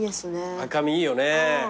赤身いいよね